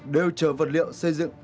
đều chở vật liệu xây dựng